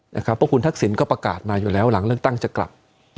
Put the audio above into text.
เพราะคุณทักษิณก็ประกาศมาอยู่แล้วหลังเลือกตั้งจะกลับ